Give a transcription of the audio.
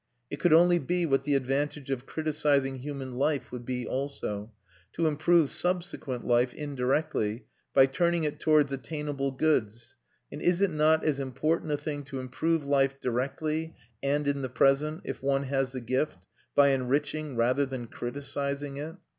It could only be what the advantage of criticising human life would be also, to improve subsequent life indirectly by turning it towards attainable goods, and is it not as important a thing to improve life directly and in the present, if one has the gift, by enriching rather than criticising it?